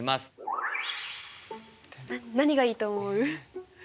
何がいいと思う？